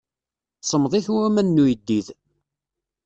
Semmḍit waman n uyeddid.